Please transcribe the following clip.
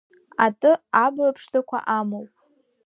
Аты абла ԥшӡақәа амоуп.